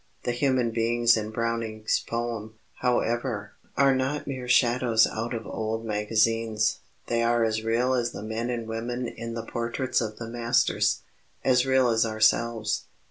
The human beings in Browning's poem, however, are not mere shadows out of old magazines; they are as real as the men and women in the portraits of the masters, as real as ourselves.